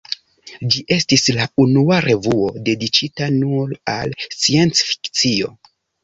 Ĝi estis la unua revuo dediĉita nur al sciencfikcio.